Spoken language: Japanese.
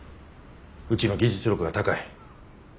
うちの技術力は高い。